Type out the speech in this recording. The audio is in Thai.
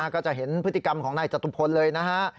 ก็จะเห็นพฤติกรรมของนายจตุพลเลยนะฮะ